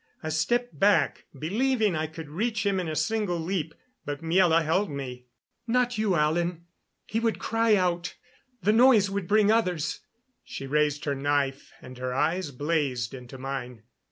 I stepped back, believing I could reach him in a single leap; but Miela held me. "Not you, Alan. He would cry out. The noise would bring others." She raised her knife, and her eyes blazed into mine.